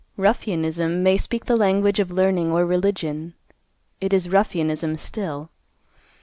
Ruffianism may speak the language of learning or religion; it is ruffianism still.